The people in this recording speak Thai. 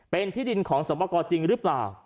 เป็นที่ดินของสมประกอบจริงหรือเปล่า